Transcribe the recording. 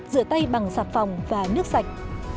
rửa tay bằng sạc phòng và nước sạch